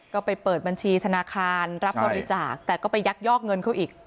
ก็ไปเปิดบัญชีธนาคารรับบริจาคแต่ก็ไปยักยอกเงินเขาอีก